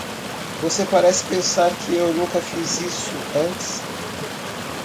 Você parece pensar que eu nunca fiz isso antes.